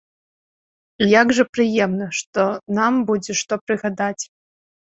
І як жа прыемна, што нам будзе што прыгадаць.